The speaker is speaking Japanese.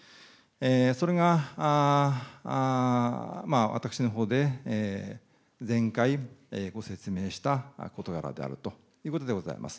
それが私のほうで前回ご説明した事柄であるということでございます。